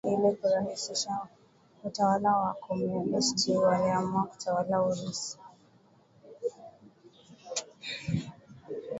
chao Ili kurahisisha utawala wao Wakomunisti waliamua kutawala Urusi